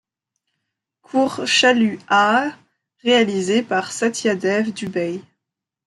Court Chalu Aahe réalisé par Satyadev Dubey.